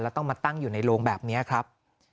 แล้วต้องมาตั้งอยู่ในโรงแบบนี้ครับ